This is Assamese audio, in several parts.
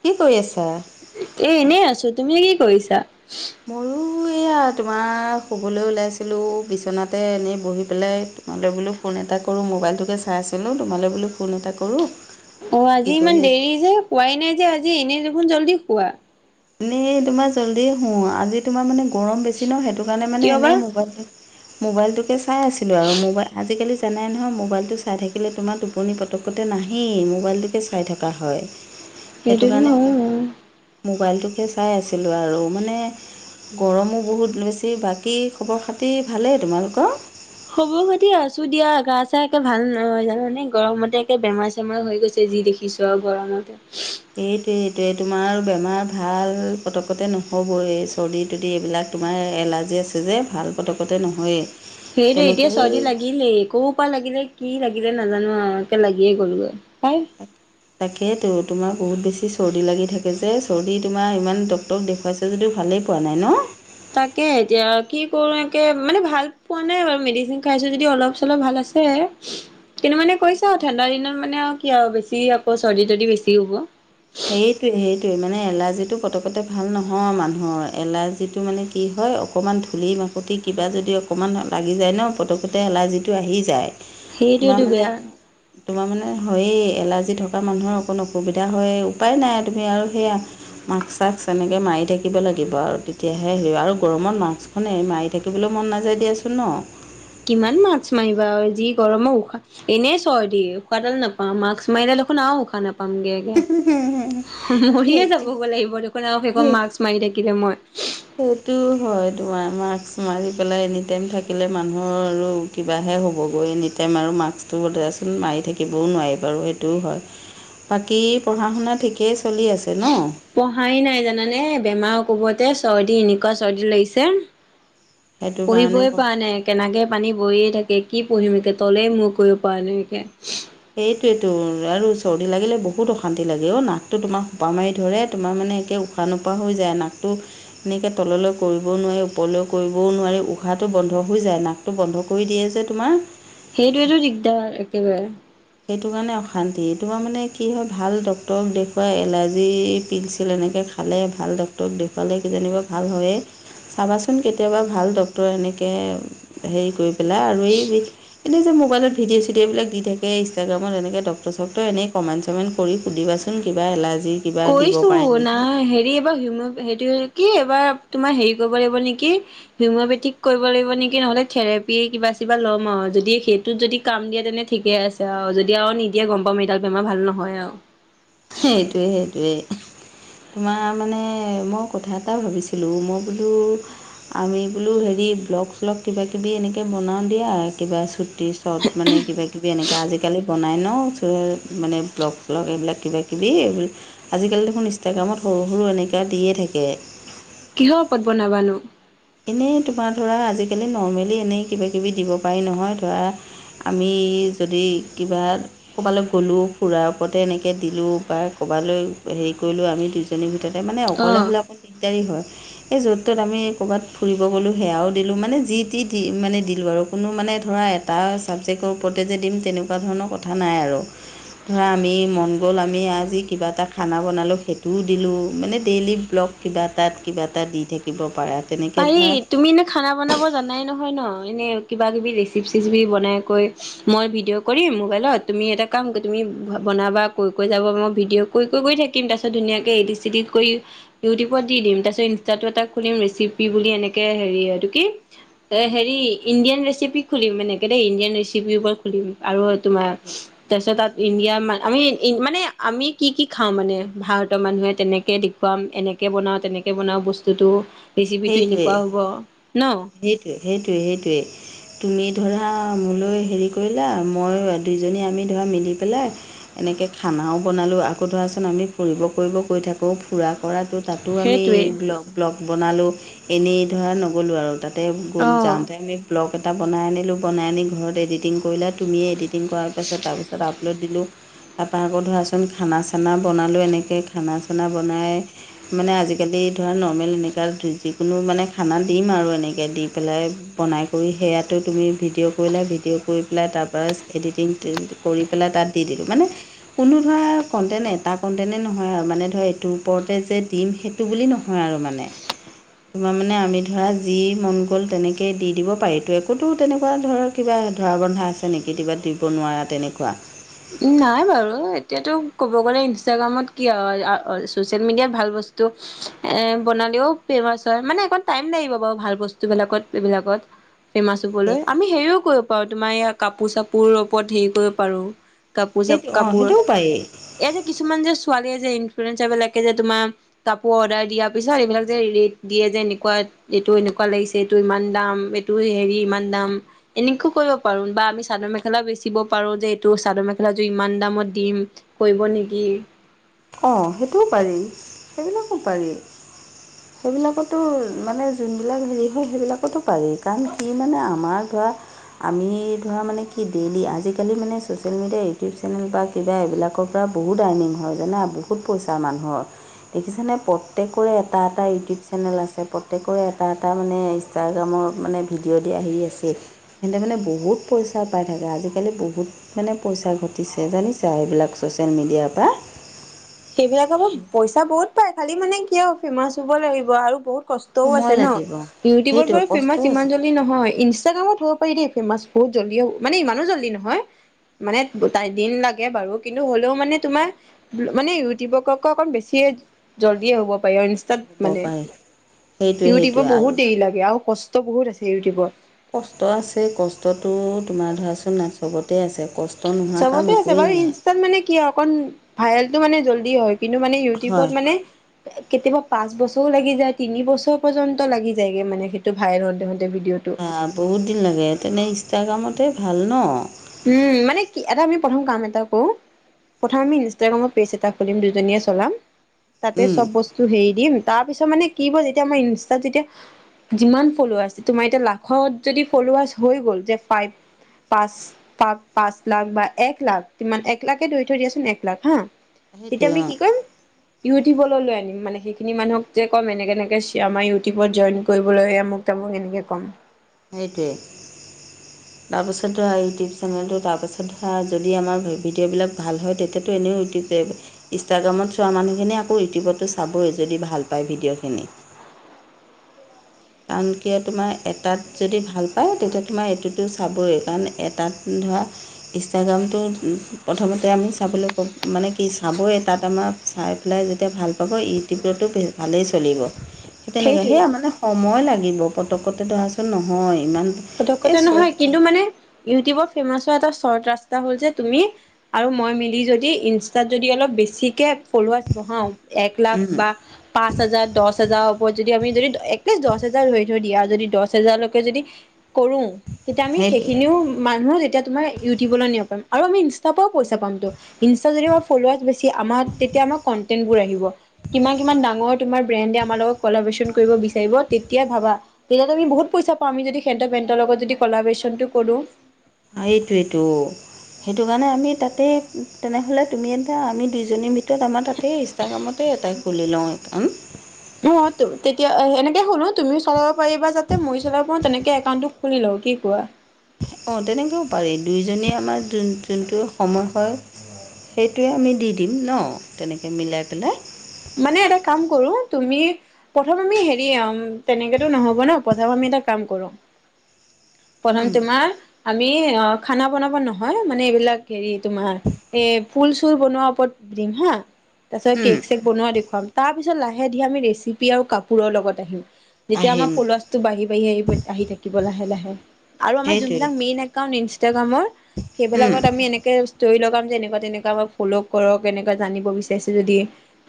কি কৈ আছা? এ এনেই আছো। তুমি কি কৰিছা? ময়ো এইয়া তোমাৰ শুবলৈ ওলাইছিলোঁ বিচনাতে এনেই বহি পেলাই তোমালৈ বোলো ফোন এটা কৰোঁ মোবাইলটোকে চাই আছিলোঁ। তোমালৈ বোলো ফোন এটা কৰোঁ অ কি আজি কৰি ইমান আছ দেৰি যে শুৱাই নাই যে আজি এনে দেখোন জল্দি শুৱা। এনেই তোমাৰ জল্দি শু আজি তোমাৰ মানে গৰম বেছি ন। সেইটো কাৰণে মানে কিয় বা? এনেই মোবাইলটো মোবাইলটোকে চাই আছিলো আৰু মোবাইল আজিকালি জানেই নহয় মোবাইলটো চাই থাকিলে তোমাৰ টোপনি পতককতে নাহেই মোবাইলটোকে চাই থকা হয়। [inaudible] সেইটো কাৰণে হয় বাৰু। মোবাইলটোকে চাই আছিলোঁ আৰু মানে গৰমো বহুত বেছি বাকী খবৰ খাতি ভালেই তোমালোকৰ? খবৰ খাতি আছো দিয়া গা চা একে ভাল নহয় জান মানে গৰমতে একে বেমাৰ জেমাৰ হৈ গৈছে যি দেখিছো আও গৰমতে। সেইটোৱে এইটোৱে তোমাৰ বেমাৰ ভাল পটকতে নহ'ব এই চৰ্দি তৰ্দি এইবিলাক। তোমাৰ এলাৰ্জি আছে যে ভাল পতকতে নহয়ে। সেইটো এতিয়া চৰ্দি লাগিলে কৌ পা লাগিলে। কি লাগিলে নাজানো আও একে লাগিয়ে গ'ল গৈ। তাক তাকে তো তোমাৰ বহুত বেছি চৰ্দি লাগি থাকে যে চৰ্দি তোমাৰ ইমান ডক্তৰক দেখুৱাইছ যদিও ভালেই পোৱা নাই ন। তাকে এতিয়া আৰু কি কৰো মানে ভাল পোৱা নাই বাৰু মেডিচিন খাইছো যদি অলপ চলপ ভাল আছ- হে কিন্তু মানে কৈছা আও ঠাণ্ডা দিনত মানে আও কি আও বেছি আকৌ চৰ্দি তৰ্দি বেছি হ'ব। সেইটোৱে সেইটোৱে মানে এলাৰ্জি টো পটকতে ভাল নহয় মানুহৰ এলাৰ্জিটো মানে। কি হয় অকণমান ধূলি মাকতি কিবা যদি অকণমান লাগি যায় ন পটকতে এলাৰ্জিটো আহি যায়। তোমাৰ সেইটোৱেতো মানে, বেয়া তোমাৰ মানে হয় এলাৰ্জি থকা মানুহৰ অকণ অসুবিধা হয়ো। উপাই নাই তুমি আৰু সেয়া - মাক্স চাক্স এনেকে মাৰি থাকিব লাগিব আৰু তেতিয়াহে হে, আৰু গৰত মাক্স [unintelligible] মাৰি থাকিবলৈ মন নাযায় দিয়াচোন ন? কিমান মাক্স মাৰিবা আৰু যি গৰমৰ উশাহ এনেই চৰ্দি উশাহডাল নাপাম মাক্স মাৰিডাল দেখোন আৰু উশাহ নাপামগেগে। মৰিয়ে সেইটো যাব লাগিব দেখোন আৰু সেইখন সেই মাৰ্ক মাৰি থাকিলে মই। সেইটো হয় তোমাৰ মাস্ক মাৰি পেলাই এনি টাইম থাকিলে মানুহৰ আৰু। কিবাহে হ'বগৈ এনিটাইম আৰু মাস্কটো বোধই আছিল আৰু মাৰি থাকিবও নোৱাৰি বাৰু সেইটোও হয়। বাকী পঢ়াশুনা ঠিকেই চলি আছে ন'? পঢ়াই নাই জানানে বেমাৰ কবতে চৰ্দি এনেকুৱা চৰ্দি লাগিছে। সেইটো কাৰণে পঢ়িবই পৰা নাই। নাকে পানী বইয়ে থাকে কি পঢ়িমকৈ এতিয়া তলেই মূৰ কৰিব পৰা নাই বিষাই। সেইটোৱেতো আৰু চৰ্দি লাগিলে বহুত অশান্তি লাগে অ, নাকটো তোমাৰ সোপা মাৰি ধৰে তোমাৰ মানে একে উশাহ নোপোৱা হৈ যায়, নাকটো এনেকৈ তললৈ কৰিবও নোৱাৰি, ওপৰলৈ কৰিবও নোৱাৰি, উশাহটো বন্ধ হৈ যায় নাক টো বন্ধ কৰি দিয়ে যে তোমাৰ। সেইটোৱেতো দিগদাৰ একেবাৰে। সেইটো কাৰণে অশান্তি, তোমাৰ মানে কি হয় ভাল ডক্তৰক দেখুৱাই এলাৰ্জি, পিল ছিল এনেকে খাই ভালে ভাল ডক্তৰক দেখুৱালে কি জানিবা ভাল হয়য়ে। চাবাচোন কেতিয়াবা ভাল ডক্তৰ এনেকে হেৰি কৰি পেলাই আৰু এই, এতিয়া যে মোবাইলত ভিডিঅ' চিডিঅ' বিলাক দি থাকে। তে ইনষ্টাগ্ৰামত এনেক ডক্তৰ চক্তৰ এনেই কমেণ্ট চমেণ্ট কৰি সুধিবা চোন কিবা এলাৰ্জি কিবা দিব কৈছো পাৰে নেকি নাই হেৰি এইবাৰ হিম' সেইটোৱে কি এইবাৰ, তোমাৰ হেৰি কৰিব লাগিব নেকি? হিমপেথিক কৰিব লাগিব নেকি, নহলে থেৰাপি কিবা চিবা ল'ম আৰু, যদি সেইটোত যদি কাম দিয়ে তেনে ঠিকে আছে আৰু যদি আৰু নিদিয়ে গম পাম তেতিয়া বেমাৰ ভাল নহয় আৰু। সেইটোৱে সেইটোৱে। তোমাৰ মানে মই কথা এটা ভাবিছিলোঁ, মই বোলো আমি বোলো হেৰি ব্লগ চলগ কিবা কিবি এনেকে বনাওঁ দিয়া, কিবা চুট [unintelligible] চব মানে কিবা কিবি এনেকা আজিকালি বনাই ন' মানে ব্লগ চলগ এইবিলাক কিবা কিবি, আজিকালি দেখোন ইনষ্টাগ্ৰামত সৰু সৰু এনেকুৱা দিয়ে থাকে। কিহৰ ওপৰত বনাবানো? এনেই তোমাৰ ধৰা আজিকালি নৰ্মেলি এনেই কিবা কিবি দিব পাৰি নহয় ধৰা আমি, যদি কিবা ক'বালৈ গ'লোঁ, ফুৰাৰ ওপৰতে এনেকে দিলোঁ বা ক'বালৈ হেৰি কৰিলোঁ আমি দু [unintelligible] ভিতৰতে মানে অকলে অ হ'লে অকণ দিগদাৰি হয়, এই য'ত তত আমি ক'বাত ফুৰিব গ'লোঁ সেয়াও দিলোঁ মানে যি টি দি মানে দিলোঁ আৰু কোনো মানে ধৰা এটা ছাবজেক্টৰ ওপৰতে যে দিম তেনেকুৱা ধৰণৰ কথা নাই আৰু। ধৰা আমি মন গ'ল আমি আজি কিবা এটা খানা বনালোঁ, সেইটোও দিলোঁ, মানে ডেইলি ব্লগ কিবা এটাত কিবা এটা দি থাকিব পাৰা। তেনেকৈ পাৰি ধৰা তুমি ন খানা বনাব জানাই নহয় ন' এনে কিবা কিবি ৰেচিপি চিচিপি বনাইৈ মই ভিডিঅ' কৰিম মোবাইলত, তুমি এটা কাম তুমি কৰা বনাবা কৈ কৈ যাব মই ভিডিঅ' কৈ কৈ গৈ থাকি [unintelligible] তাৰপছত ধুনীয়াকে এদিট চেদিট কৰি ইউটিউত দি দিম তাৰপিছত ইনষ্টাটো এটা খুলিম ৰেচিপ পি বুলি এনেকে হেৰি, এইটো কি? এ হেৰি ইণ্ডিয়ান ৰেচিপি খুলিম এনেকে দেই ইণ্ডিয়ান ৰেচিপিৰ ওপৰত খুলিম আৰু তোমাৰ সেইটোৱে তাৰপিছত তাত ইণ্ডিয়াৰ আমি মানে আমি কি কি খাওঁ মানে ভাৰতৰ মানুহে তেনেকে খুৱাম এনেকে বনাওঁ তেনেকৈ বনাওঁ বস্তুটো ৰেচিপিটো সেইটোৱে, এনেকুৱা হ'ব ন সেইটোৱে, সেইটোৱে সেইটোৱে। তুমি ধৰা মোলৈ হেৰি কৰিলা, মই দুইজনী আমি ধৰা মিলি পেলাই এনেকে খানাও বনালো, আকৌ ধৰাচোন আমি ফুৰিব কৰিব কৰি থাকো, ফুৰা কৰাটো তাতো আমি সেইটোৱে ব্লগ ব্লগ বনালোঁ, এনেই ধৰা নগ'লোঁ আৰু তাত। তে গ'ল অ যাওঁতে আমি ব্লগ এটা বনাই আনিলো বনাই আনি ঘৰত এডিত এডিং কৰিল তুমিয়ে এডিটিং কৰাৰ পাছত তাৰপিছত আপলোড দিলোঁ, তাৰপৰা আকৌ ধৰাচোন খানা চানা বনালোঁ, এনেকে খানা চানা বনাই মানে আজিকালি ধৰা নৰ্মেল এনেকা যিকোনো মানে খানা দিম আৰু এনেকৈ দি পেলাই বনাই কৰি সেয়াটো তুমি ভিডিঅ' কৰিলে ভিডিঅ' কৰি পেলাই তাৰপৰা এডিটিং [unintelligible] কৰি পেলাই তাত দি দিলোঁ, মানে কোনো ধৰা কণ্টেণ এটা কণ্টেনেই নহয় আৰু মানে ধৰ এইটোৰ ওপৰতে যে দিম সেই, টো বুলি নহয় আৰু মানে। তোমাৰ মানে আমি ধৰা যি মন গ'ল তেনেকেই দি দিব পাৰিতো একোতো তেনেকুৱা ধৰ কিবা ধৰা বন্ধা আছে নেকি কিবা দিব নোৱাৰা তেনেকুৱা? উম নাই বাৰু এতিয়াতো ক'ব গ'লে ইনষ্টাগ্ৰামত কি আও আ ছচিয়েল মিডিয়াত ভাল বস্তু এ বনালেও ফেমাচ হয় মানে অকণ টাইম লাগিব বাৰু ভাল বস্তুবিলাকত এইবিলাকত। ফেমাছ হবলৈ আমি হেৰিও কৰিব পাৰো তোমাৰ ইয়াৰ কাপোৰ চাপোৰ ওপৰত হেৰি কৰিব পাৰো। কাপোৰ চাপ সেইটো অঁ কাপোৰ সেইটোও পাৰি এই যে কিছুমান যে ছোৱালীয়ে যে ইনফুলেঞ্চাৰ বিলাকে যে তোমাৰ কাপোৰ অৰ্ডাৰ দিয়াৰ পিছত এইবিলাক যে ৰেট দিয়ে যে এনেকুৱা এইটো এনেকুৱা লাগিছে এইটো ইমান দাম এইটো হেৰি ইমান দাম। এনেকুৱও কৰিব পাৰো বা আমি চাদৰ মেখেলা ও বেচিব পাৰো যে এইটো চাদৰ মেখে যোৰ ইমান দামত দিম কৰিব নেকি? অ সেইটোও পাৰি সেইবিলাকো পাৰি। সেইবিলাকতো মানে যোনবিলাক হেৰি হয় সেইবিলাকতো পাৰি কাৰণ কি মানে আমাৰ ধৰা আমি ধৰা মানে কি ডেইলি আজিকালি মানে ছ'চিয়েল মিডিয়া ইউটিউব চেনেল বা কিবা এইবিলাকৰ পৰা বহুত আৰ্নিং হয় জানা বহুত পইচাৰ মানুহৰ। দেখিছেনে প্ৰত্যেকৰে এটা এটা ইউটিউব চেনেল আছে প্ৰত্যেকৰে এটা এটা মানে ইনষ্টাগ্ৰামত মানে ভিডিঅ' দি আহি আছে। সিহঁতে মানে বহুত পইচা পাই থাকে আজিকালি বহুত মানে পইচা ঘটিছে জানিছা সেইবিলাক ছ'চিয়েল মিডিয়াৰ পা সেইবিলাকৰ কামত পইচা বহুত পাই খালি মানে কিয় ফেমাচ হব লাগিব আৰু বহুত ক। ষ্টও সময় আছে ন লাগিব ইউটিউবত সেইটোৱে গৈ কষ্ট ফেমাচ আছে ইমান জল দি‌ নহয় ইনষ্টাগ্ৰামত হব পাৰি দেই ফেমছ বহুত জল্দিও মানে ইমান জল্দি নহয় মানে তাই দিন লাগে বাৰু কিন্তু হ'লেও মানে তোমাৰ মানে ইউটিউবকক অকণ বেছিয়ে জল্দি হ'ব পাৰিব ইন ষ্টাত হ'ব মানে পাৰে সেইটোৱে ইউটিউবৰ সেইটোৱে আৰু বহুত দেৰি লাগে আৰু কষ্ট বহুত আছে ইউটিউবত। কষ্ট আছে কষ্টটো তোমাৰ ধৰাচোন নাকচবতে আছে কচ চবতে আছে বাৰু ইনষ্টাত মানে কি অকন ভাইৰেলটো মানে জল্দি হয় কিন্তু মানে হয়। ইউটিউবত মানে কেতিয়াবা পাঁচ বছৰো লাগি যায় তিনি বছৰ পৰ্যন্ত লাগি যায়গে মানে সেইটো ভাইৰেল হওঁতে হওঁতে ভিডিঅ' টো। আ বহুত দিন লাগে তেনে ইনষ্টাগ্ৰামতে ভাল ন। উম মানে কি এটা আমি প্ৰথম কাম এটা কৰো প্ৰথমে আমি ইনষ্টাগ্ৰামৰ পেজ এটা খুলিম দুজনীয়ে চলাম তাতে উম। চব বস্ তো হেৰি দিম তাৰ পিছত মানে কি ব যেতিয়া আমাৰ ইনষ্টাত যেতিয়া যিমান ফলাৰছ তোমাৰ এতিয়া লাখত যদি ফলাৰ হৈ গ'ল যে ফাইভ পাঁচ পাক পাঁচ লাখ বা এক লাখ কিমান এক লাখে ধৰি থৈ দিয়াচোন এক লাখ হা। তেতিয়া সেইটোৱে আমি অ কি কৰিম? ইউটিউবলৈ লৈ আনিম মানে সেইখিনি মানুহক যে ক'ম এনেকে এনেকে চেয়েৰ মাৰি ইউটিউবত জইন কৰিবলৈ আমোক তামোক এনেকে ক'ম। সেইটোৱে তাৰপাছত ধৰা ইউটিউব চেনেলটো তাৰপাছত ধৰা যদি আমাৰ ভিডিঅ'বিলাক ভাল হয় তেতিয়া টো এনেই উঠি যাব। [unintelligible] ইষ্টাগ্ৰামত চোৱা মানুহখিনিয় আকৌ ইউটিউবতো চাবই যদি ভাল পায় ভিডিঅ'খিনি৷ কাৰণ কিয় তোমাৰ এটাত যদি ভাল পায় তেতিয়া তোমাৰ এইটোতো চাবই কাৰণ এটাত ধৰা ইনষ্টাগ্ৰামটো প্ৰথমতে আমি চাবলৈ কম মানে কি চাবই তাত আমাৰ চাই পেলাই যেতিয়া ভাল পাব ইউটিউবতো ভালেই চলিব। সেই তেনেকে সেইটোৱে সেয়া মানে সময় লাগিব পতকতে ধৰাচোন নহয় ইমান এই পতককতে চব নহয় কিন্তু মানে ইউটিউবৰ ফেমাচ হোৱা এটা চৰ্ত ৰাস্তা হল যে তুমি আৰু মই মিলি যদি ইনষ্টাত যদি অলপ বেছিকে ফ'লোৱাৰাছ বহাও এক লাখ বা পাঁচ হাজাৰ দছ হাজাৰৰ ওপৰত যদি আমি যদি এলিষ্টত দহ হাজাৰ হৈ থৈ দিয়া যদি দহ হজাৰলৈকে যদি কৰো তেতিয়া আমি সেইটোৱে সেইখিনিও মানুহ তেতিয়া তোমাৰ ইউটিউবলৈ নিয় পাম [unintelligible] আৰু আমি ইনষ্টাৰ পৰাও পইচা পামতো৷ ইনষ্টা যদি আমাৰ ফল'য়াৰছ বেছি আমাৰ তেতিয়া আমাৰ কণ্টেন্টবোৰ আহিব৷ কিমান-কিমান ডাঙৰ তোমাৰ ব্ৰেণ্ডে আমাৰ লগত কলাবৰেচন কৰিব বিচাৰিব৷ তেতিয়া ভাবা তেতিয়া তুমি বহুত পইচা পা আমি যদি সেন্ত বেন্দৰ লগত যদি কলাবেশচনটো কৰো৷ এইটোইটো৷ সেইটো কাৰণে আমি তাতেই তেনেহ'লে তুমি এতিয়া আমি দুইজনীৰ ভিতৰত আমাৰ তাতেই ইষ্টাগ্ৰামতে এটাই খুলি লও একাউণ্ট৷ অ তেতিয়া সেনেকে হ'লো তুমি চলাব পাৰিবা যাতে মইও চলাব পাৰো তেনেকে একাউণ্টটো শুনি লওঁ কি কোৱা? অ তেনেকৈও পাৰি দুইজনীয়ে আমাৰ যোনটো সময় হয় সেইটোৱে আমি দি দিম ন তেনেকৈ মিলাই পেলাই৷ মানে এটা কাম কৰো তুমি প্ৰথম আমি হেৰি তেনেকেতটো নহব ন প্ৰথম আমি এটা কাম কৰো প্ৰথম উম, তোমাৰ আমি অ খানা বনাব নহয় মানে এইবিলাক হেৰি তোমাৰ এ ফুল চুল বনোৱাৰ ওপৰত দিম হা৷ তাৰ পিছত হুম, কেক চেক বনোৱা দেখুৱাম তাৰ পিছত লাহে ধিৰে আমি ৰেচিপি আৰু কাপোৰৰ লগত আহিম৷ যেতিয়া আমাৰ আহিম ফলুৱাছটো ব বাঢ়ি-বাঢ়ি আহ আহি থাকিব লাহে-লাহে৷ আৰু আমাৰ সেইটোৱে যোনবিলাক মেইন একাউন্ট ইনষ্টাগ্ৰামৰ হুম, সেইবিলাকত আমি এনেকে ষ্টৰি লগাম যে এনেকুৱা তেনেকুৱা ফল' কৰক এনেকুৱা জানিব বিচাৰিছো যদি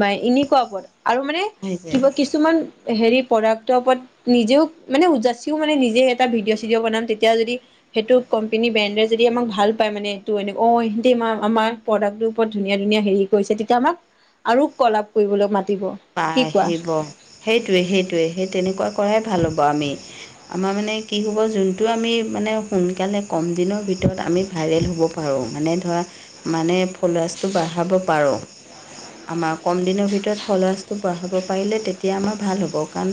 বা এনেকুৱা ওপৰত আৰু মানে আহি যায় কিবা কিছুমান হেৰি প্ৰডাক্টৰ ওপৰত নিজেও মানে উৎযাচিও মানে নিজে এটা ভিডিঅ' চিডিঅ' বনাম তেতিয়া যদি সেইটো কোম্পেনী ব্ৰেণ্ডে যদি আমাক ভাল পায় মানে এইটো এহতি আমা আমাৰ প্ৰডাক্টৰ ওপৰত ধুনীয়া-ধুনীয়া হেৰি কৰিছে তেতিয়া আমাক আৰু কলাপ কৰিবলৈ মাতিব৷ পা কি কোৱা আহিব সেইটোৱে-সেইটোৱে সেই তেনেকুৱা কৰাই ভাল হ'ব আমি৷ আমাৰ মানে কি হ'ব যোনটো আমি মানে সোনকালে কম দিনৰ ভিতৰত আমি ভাইৰেল হ'ব পাৰোঁ মানে ধৰা মানে ফ'লৰাচটো বাঢ়াব পাৰোঁ আমাৰ কম দিনৰ ভিতৰত ফলআৰচ বঢ়াব পাৰিলে তেতিয়া আমাৰ ভাল হ'ব কাৰণ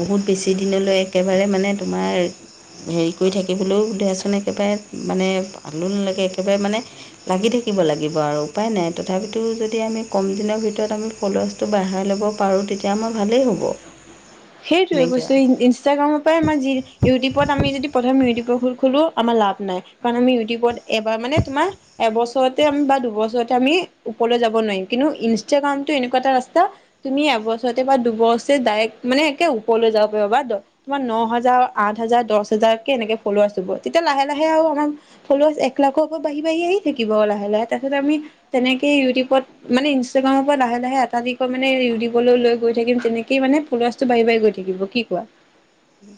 বহুত বেছি দিনলৈ একেবাৰে মানে তোমাৰ হেৰি কৰি থাকিবলৈও ধাচোন একেবাৰে মানে ভালো নালাগে একেবাৰে মানে লাগি থাকিব লাগিব আৰু উপায় নাই তথাপিতো যদি আমি কম দিনৰ ভিতৰত আমি ফলুৱাছটো বঢ়াই ল'ব ল'ব পাৰোঁ তেতিয়া মাৰ ভালেই হ'ব। সেইটোৱে এনেকৈ কৈছো ইনষ্টাগ্ৰামত আমাৰ যি ইউটিউবত আমি যদি প্ৰথম ইউটিউবৰ খোঁ আমাৰ লাভ নাই কাৰণ আমি ইউটিউবত এইবাৰ মানে তোমাৰ এবছৰতে আমি বা দুবছৰতে আমি ওপৰলৈ যাব নোৱাৰিম কিন্তু ইনষ্টাগ্ৰামতটো এনেকুৱা এটা ৰাস্তা তুমি এবছৰতে বা দুবছৰ ডাইৰেক্ট মানে একে ওপৰলৈ যাব পাৰিবা দ তোমাৰ ন হাজাৰ আঠ হাজাৰ দহ হাজাৰ কে এনেকে ফল আছো ব তেতিয়া লাহে লাহে আৰু আমাৰ ফলাৰছ একলাখো আকৌ বাঢ়ি-বাঢ়ি আহি থাকিব লাহে-লাহে তাৰিছত আমি তেনেকে ইউটিউবত মানে ইনষ্টাগ্ৰামৰ পৰা লাহে লাহে এটাইদি কৈ মানে ইউটিউবলৈ লৈ গৈ থাকিম তেনেকেই মানে ফ'ল'ৱাৰ্ছটো বাঢ়ি বাঢ়ি গৈ থাকিব কি কোৱা?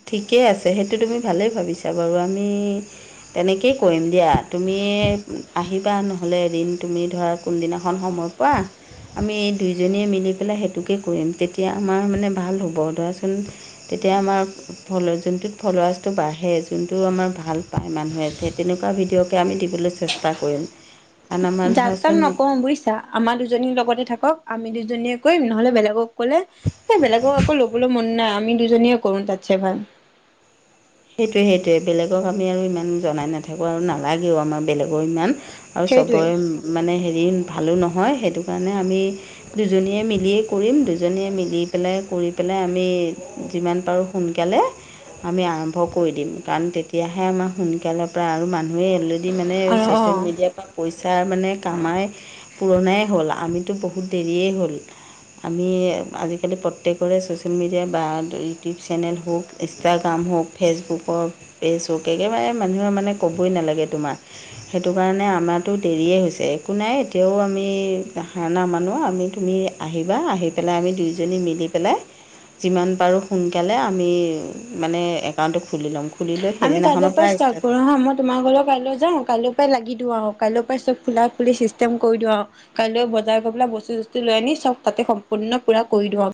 ঠিকে আছে সেইটো তুমি ভালেই ভাবিছা বাৰু আমি তেনেকেই কৰিম দিয়া তুমি আহিবা নহ'লে এদিন তুমি ধৰা কোনদিনাখন সময় পৰা আমি দুইজনীয়ে মিলি পেলাই সেইটোকে কৰিম তেতিয়া আমাৰ মানে ভাল হ'ব ধৰাচোন তেতিয়া আমাৰ ফ'ল'যোনটোত ফ'ল'ৱাৰাৰ্ছটো বাঢ়ে যোনটো আমাৰ ভাল পায় মানুহ আছে তে তেনেকুৱা ভিডিঅ'কে আমি দিবলৈ চেষ্টা কৰিম। কাৰণ আমাৰ যাক তাক ধৰাচোন নকওঁ বুজিছা। আমাৰ দুজনীৰ লগতে থাকক, আমি দুজনীয়ে কৰিম নহ'লে বেলেগক ক'লে এই বেলেগক আকৌ ল'বলৈ মন নাই আমি দুজনীয়ে কৰো তাতছে ভাল। সেইটোৱে সেইটোৱে বেলেগক আমি আৰু ইমান জনাই নাথাকো আৰু ন' আমাৰ বেলেগৰ ইমান আৰু সেইটোৱে চবৰে মানে হেৰি ভালো নহয় সেইটো কাৰণে আমি দুজনীয়ে মিলিয়ে কৰিম দুজনীয়ে মিলি পেলাই কৰি পেলাই আমি যিমান পাৰোঁ সোনকালে, আমি আৰ ভ কৰি দিম কাৰণ তেতিয়াহে আমাৰ সোনকালে পৰা আৰু মানুহেই ইয়ালে দি মানে অ', চ'চিয়েল অ'। মিডিয়াৰ পা পইচা মানে কামাই, পুৰণাই হ'ল, আমিতো বহুত দেৰিয়েই হ'ল। আমি আজিকালি প্ৰত্যেকৰে ছ'চিয়েল মিডিয়া বা ইউটিউব চেনেল হওক ইষ্টাগ্ৰাম হওক। ফেচবুকৰ, [unintelligible] মানুহে মানে ক'বই নালাগে তোমাৰ। সেইটো কাৰণে আমাৰো দেৰিয়ে হৈছে একো নাই এতিয়াও আমি হাৰ নামানো আমি তুমি আহিবা, আহি পেলাই আমি দুয়োজনী মিলি পেলাই যিমান পাৰোঁ সোনকালে আমি, মানে একাউণ্টটো খুলি ল'ম। খুলি লৈ আমি কাইলৰ সেইদিনাখনৰ পৰাই পৰা ষ্টাৰ্ট কৰোঁ হা? তোমাৰ ঘৰলৈ কাইলৈ যাওঁ কাইলৈৰ পৰাই লাগি দিওঁ আৰু কাইলৈৰ পৰাই চব ফুলা ফুলি চিষ্টেম কৰি দিওঁ আৰু। কাইলৈ বজাৰ গৈ পেলাই বস্তু চস্তু লৈ আনি চব তাতে সম্পূৰ্ণ পূৰা কৰি দিওঁ।